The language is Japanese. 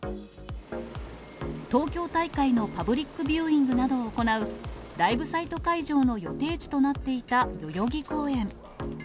東京大会のパブリックビューイングなどを行う、ライブサイト会場の予定地となっていた代々木公園。